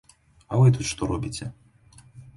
А вы тут што робіце?